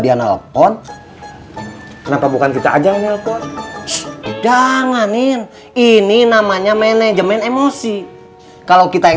dia nelfon kenapa bukan kita aja nelfon jangan ini namanya manajemen emosi kalau kita yang